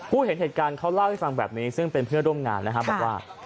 เห็นเหตุการณ์เขาเล่าให้ฟังแบบนี้ซึ่งเป็นเพื่อนร่วมงานนะครับบอกว่า